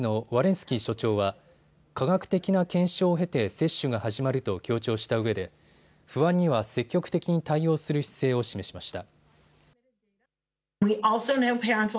スキー所長は科学的な検証を経て接種が始まると強調したうえで不安には積極的に対応する姿勢を示しました。